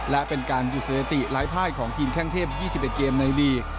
และเป็นการหยุดสถิติหลายภายของทีมแข้งเทพ๒๑เกมในลีก